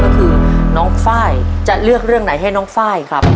ก็คือน้องไฟล์จะเลือกเรื่องไหนให้น้องไฟล์ครับ